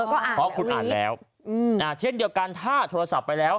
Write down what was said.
เพราะคุณอ่านแล้วเช่นเดียวกันถ้าโทรศัพท์ไปแล้ว